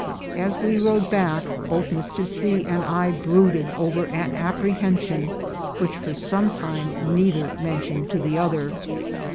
As we rode back, both Mr. C. and I brooded over an ap prehension which for some time neither mentioned to the other.